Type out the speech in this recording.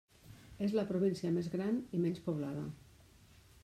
És la província més gran i menys poblada.